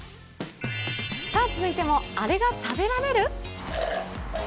続いてもあれが食べられる？